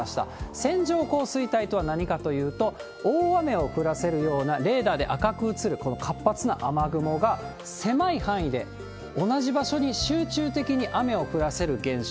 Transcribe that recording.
線状降水帯とは何かというと、大雨を降らせるようなレーダーで赤く映る、この活発な雨雲が、狭い範囲で同じ場所に集中的に雨を降らせる現象。